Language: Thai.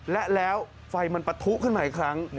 และแล้วไฟมันปะทุขึ้นมาอีกครั้ง